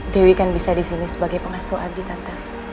dewi kan bisa disini sebagai pengasuh abi tante